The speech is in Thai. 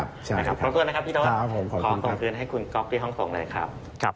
ขอบคุณนะครับพี่โทษขอขอบคุณให้คุณก๊อกที่ห้องโครงเลยครับ